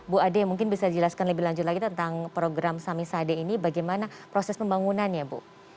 bu ade mungkin bisa dijelaskan lebih lanjut lagi tentang program samisade ini bagaimana proses pembangunannya bu